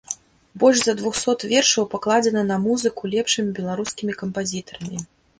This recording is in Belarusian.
Больш за двухсот вершаў пакладзена на музыку лепшымі беларускімі кампазітарамі.